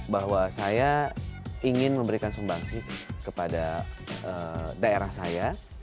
bahwa saya ingin memberikan sumbangsi kepada daerah saya